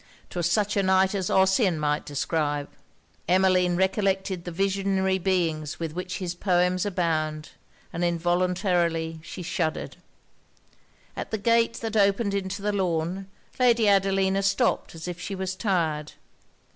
'Twas such a night as Ossian might describe. Emmeline recollected the visionary beings with which his poems abound, and involuntarily she shuddered. At the gate that opened into the lawn, Lady Adelina stopped as if she was tired.